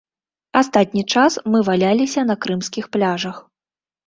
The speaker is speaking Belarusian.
Астатні час мы валяліся на крымскіх пляжах.